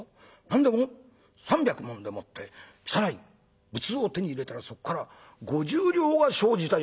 何でも３百文でもって汚い仏像を手に入れたらそこから５０両が生じた」。